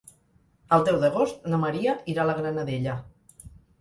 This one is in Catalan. El deu d'agost na Maria irà a la Granadella.